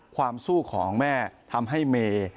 ความสู้ของแม่ทำให้เมย์